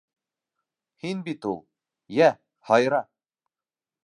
Һин бит ул. Йә, һайра...